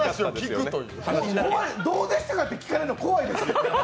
どうでしたか？って聞かれるの、怖いです。